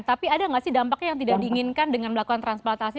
tapi ada nggak sih dampaknya yang tidak diinginkan dengan melakukan transplantasi